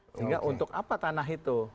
sehingga untuk apa tanah itu